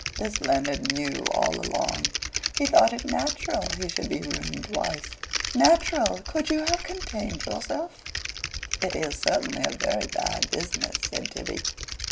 This Leonard knew all along. He thought it natural he should be ruined twice. Natural! Could you have contained yourself?. "It is certainly a very bad business," said Tibby.